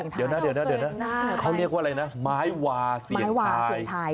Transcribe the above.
เดี๋ยวนะเดี๋ยวนะเขาเรียกว่าอะไรนะไม้วาเสี่ยงทาย